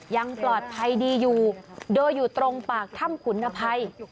ยังปลอดภัยดีอยู่โดยอยู่ตรงปากถ้ำขุนภัย